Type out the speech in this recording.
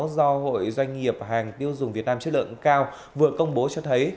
do hội doanh nghiệp hàng tiêu dùng việt nam chất lượng cao vừa công bố cho thấy